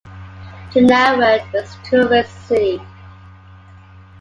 Chenaran is a tourist city.